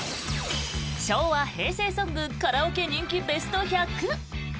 昭和・平成ソングカラオケ人気ベスト１００。